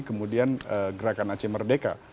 kemudian gerakan aceh merdeka